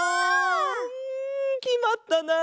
んきまったな！